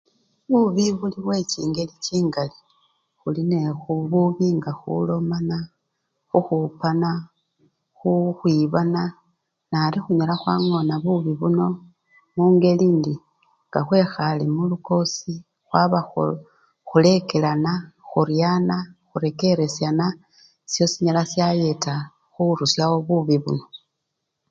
Bubi buli bwechingeli chingali, khuli nebubi nga khulomana, khukhupana, khukhwirana nari khunyala khwangona bubii buno mungeli indi nga khwekhale khwaba nga khulekelana, khuryana, khurekeresyan, esyo sinyala syayeta khurusyawo bubii buno.